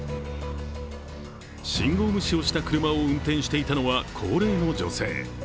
信号無視をした車を運転していたのは高齢の女性。